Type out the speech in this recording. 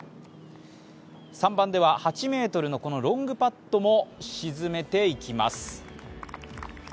３番では８ｍのこのロングパットも沈めていきます。